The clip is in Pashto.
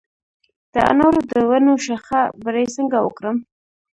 د انارو د ونو شاخه بري څنګه وکړم؟